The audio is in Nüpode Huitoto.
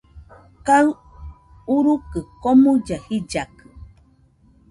Kaɨ urukɨ komuilla jillakɨ